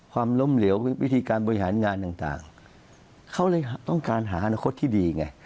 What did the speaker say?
ความล้มเหลววิธีการบริหารงานต่างเขาเลยต้องการหาอนาคตที่ดีไง